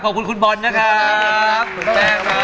ขอบคุณคุณบอลนะครับ